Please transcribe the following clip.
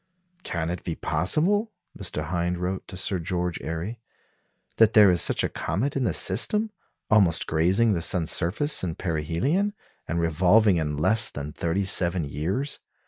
"Can it be possible," Mr. Hind wrote to Sir George Airy, "that there is such a comet in the system, almost grazing the sun's surface in perihelion, and revolving in less than thirty seven years.